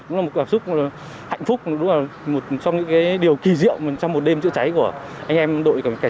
nó là một cảm xúc hạnh phúc một trong những cái điều kỳ diệu trong một đêm chữa cháy của anh em đội cảnh sát phòng cháy công an quận hồng mai